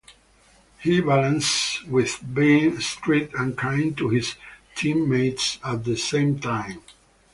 He balances with being strict and kind to his teammates at the same time.